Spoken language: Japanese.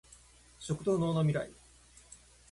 食と農のミライ